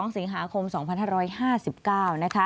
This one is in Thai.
๒สิงหาคม๒๕๕๙นะคะ